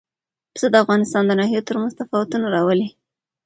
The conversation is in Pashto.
پسه د افغانستان د ناحیو ترمنځ تفاوتونه راولي.